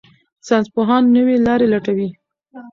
ساينسپوهان نوې لارې لټوي.